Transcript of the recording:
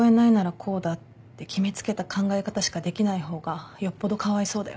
こうだって決めつけた考え方しかできない方がよっぽどかわいそうだよ。